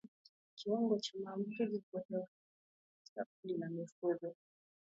Kiwango cha maambukizi ya ugonjwa wa ndorobo katika kundi la mifugo